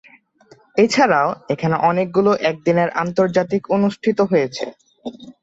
এছাড়াও, এখানে অনেকগুলো একদিনের আন্তর্জাতিক অনুষ্ঠিত হয়েছে।